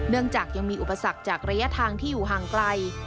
จากยังมีอุปสรรคจากระยะทางที่อยู่ห่างไกล